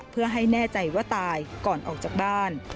เพื่อให้แน่ใจว่าตายก่อนออกจากบ้าน